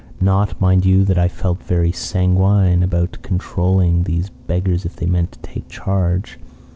Not, mind you, that I felt very sanguine about controlling these beggars if they meant to take charge.